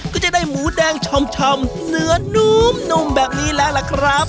ก็จะได้หมูแดงชำเนื้อนุ่มแบบนี้แล้วล่ะครับ